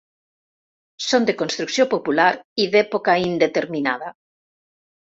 Són de construcció popular i d'època indeterminada.